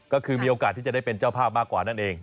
ก็คือมีโอกาสที่จะได้เป็นเจ้าภาพมากกว่านั่นเอง